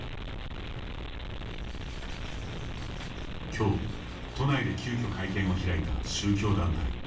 きょう、都内で急きょ会見を開いた宗教団体。